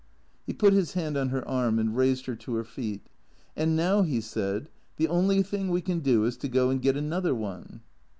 He put his hand on her arm and raised her to her feet. " And now," he said, " the only thing we can do is to go and get another one."